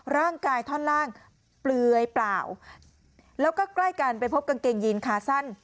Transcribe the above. ร่างกายท่อนล่างเปลือยเปล่าแล้วก็ใกล้กันไปพบกางเกงยีนขาสั้น